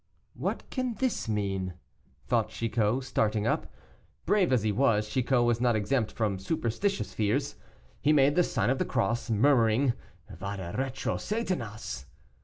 "What can this mean?" thought Chicot, starting up. Brave as he was, Chicot was not exempt from superstitious fears. He made the sign of the cross, murmuring, "Vade retro, Satanas!"